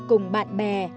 cùng bạn bè